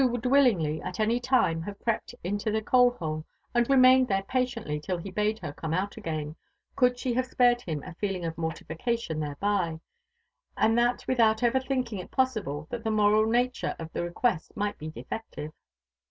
woul4 willingly at any time h^ve crept iii^to the coaUiole,. ai^d rem^^ned there patiently till he bade her QomQ out again, could, she have spared him a ^eUo§ of moxtigcalion thereby, and that without ever thinking it possible that tba moral ua ture o( the request might be defective.